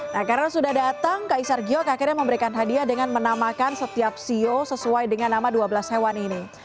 nah karena sudah datang kaisar giyok akhirnya memberikan hadiah dengan menamakan setiap siu sesuai dengan nama dua belas hewan ini